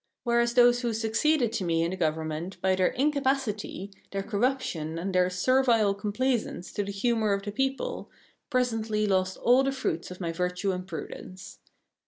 Whereas those who succeeded to me in the government, by their incapacity, their corruption, and their servile complaisance to the humour of the people, presently lost all the fruits of my virtue and prudence.